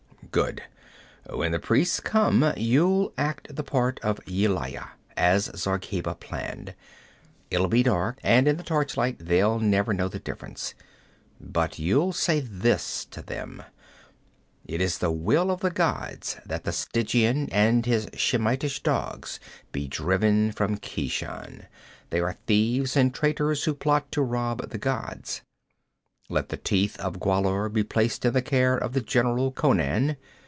'Good. When the priests come, you'll act the part of Yelaya, as Zargheba planned it'll be dark, and in the torchlight they'll never know the difference. But you'll say this to them: "It is the will of the gods that the Stygian and his Shemitish dogs be driven from Keshan. They are thieves and traitors who plot to rob the gods. Let the Teeth of Gwahlur be placed in the care of the general Conan.